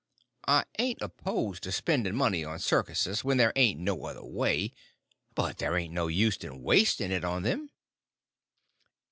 I ain't opposed to spending money on circuses when there ain't no other way, but there ain't no use in wasting it on them.